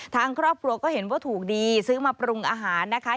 ทางครอบครัวก็เห็นว่าถูกดีซื้อมาปรุงอาหารนะคะ